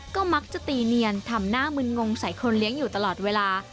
ก็มักจะตีเนียนทำหน้ามึนงงใส่คนเลี้ยงอยู่ตลอดเวลา